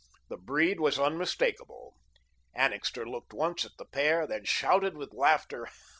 The breed was unmistakable. Annixter looked once at the pair, then shouted with laughter.